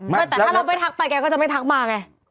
แต่ถ้าเราไม่ทักไปแกก็จะไม่ทักมาไง